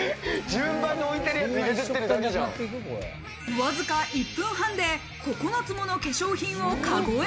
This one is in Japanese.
わずか１分半で９つもの化粧品をカゴへ。